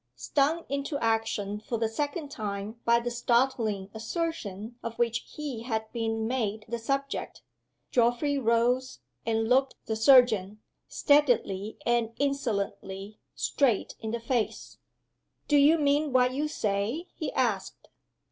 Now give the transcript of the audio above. Stung into action for the second time by the startling assertion of which he had been made the subject, Geoffrey rose, and looked the surgeon, steadily and insolently, straight in the face. "Do you mean what you say?" he asked.